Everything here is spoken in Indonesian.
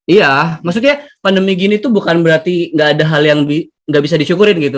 iya maksudnya pandemi gini tuh bukan berarti gak ada hal yang nggak bisa disyukurin gitu